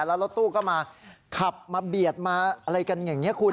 แล้วรถตู้ก็มาขับมาเบียดมาอะไรกันอย่างนี้คุณ